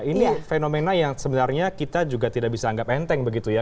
ini fenomena yang sebenarnya kita juga tidak bisa anggap enteng begitu ya